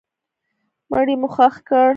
مړی مو ښخ کړ.